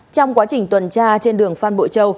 trong quá trình tuần tra trên đường phan bội châu